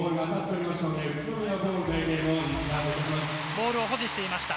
ボールを保持していました。